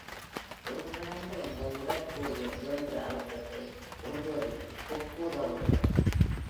ஒருங்கிணைந்த, இந்த உடற்கூறியல் இயந்திர அழுத்தத்தை உறிஞ்சுவதற்கு கொக்கு உதவுகிறது.